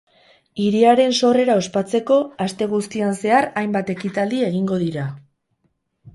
Hiriaren sorrera ospatzeko aste guztian zehar hainbat ekitaldi egingo dira.